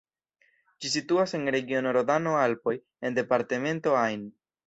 Ĝi situas en regiono Rodano-Alpoj en departemento Ain.